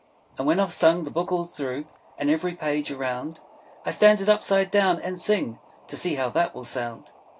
And when I've sung the book all through, And every page, around, I stand it upside down and sing, To see how that will sound.